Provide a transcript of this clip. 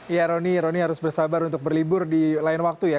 ya roni roni harus bersabar untuk berlibur di lain waktu ya